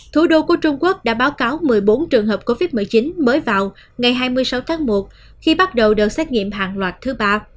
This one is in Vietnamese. thủ đô của trung quốc đã báo cáo một mươi bốn trường hợp covid một mươi chín mới vào ngày hai mươi sáu tháng một khi bắt đầu đợt xét nghiệm hàng loạt thứ ba